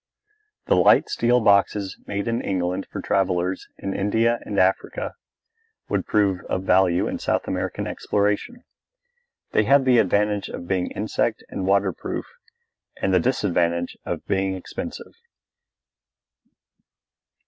The light steel boxes made in England for travellers in India and Africa would prove of value in South American exploration. They have the advantage of being insect and water proof and the disadvantage of being expensive.